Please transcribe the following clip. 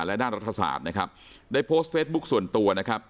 และด้านรัฐศาสตร์นะครับได้โพสต์เฟซบุ๊คส่วนตัวนะครับ